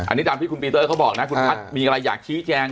อันนี้ตามที่คุณปีเตอร์เขาบอกนะคุณพัฒน์มีอะไรอยากชี้แจง